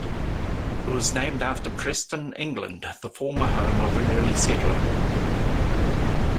It was named after Preston, England, the former home of an early settler.